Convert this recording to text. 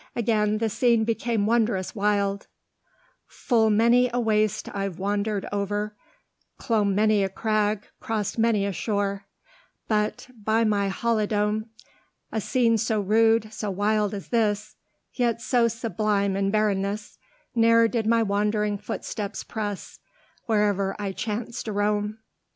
Again the scene became wondrous wild: "Full many a waste I've wander'd o'er, Clomb many a crag, cross'd many a shore, But, by my halidome, A scene so rude, so wild as this, Yet so sublime in barrenness, Ne'er did my wandering footsteps press, Where'er I chanced to roam."